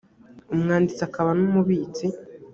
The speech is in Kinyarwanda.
umwanditsi akaba n umubitsi